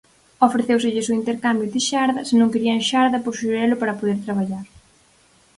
Ofrecéuselles o intercambio de xarda –se non querían xarda– por xurelo para poder traballar.